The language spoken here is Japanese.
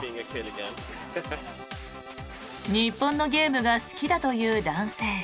日本のゲームが好きだという男性。